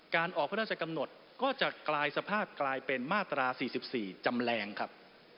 การออกพระราชกำหนดก็จะกลายสภาพกลายเป็นมาตรา๔๔จำแรงครับ